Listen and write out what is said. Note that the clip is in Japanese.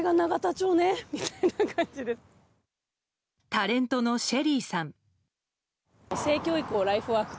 タレントのＳＨＥＬＬＹさん。